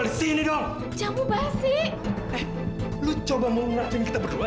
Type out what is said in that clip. lu coba mengacuni kita berdua ya